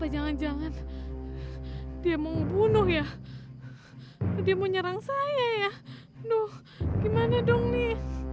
jangan jangan dia mau bunuh ya dia menyerang saya ya nuh gimana dong nih